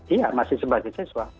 iya masih sebagai siswa